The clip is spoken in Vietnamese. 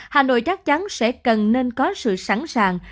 hà nội chắc chắn sẽ cần nên có sự sẵn sàng